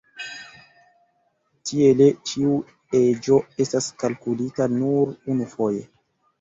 Tiele, ĉiu eĝo estas kalkulita nur unufoje.